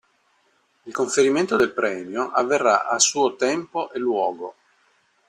Il conferimento del premio avverrà a suo tempo e luogo.